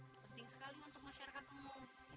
penting sekali untuk masyarakatmu